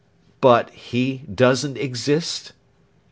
"But he doesn't exist."